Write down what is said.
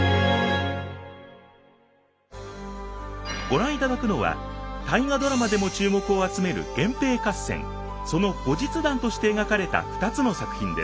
ご覧いただくのは「大河ドラマ」でも注目を集める源平合戦その後日談として描かれた２つの作品です。